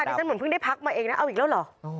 ดิฉันเหมือนเพิ่งได้พักมาเองนะเอาอีกแล้วเหรอ